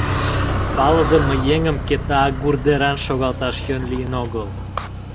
Палыдыме еҥым Кета агур деран шогалташ йӧн лийын огыл.